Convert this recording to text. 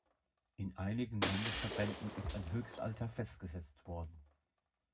In einigen Landesverbänden ist ein Höchstalter festgesetzt worden.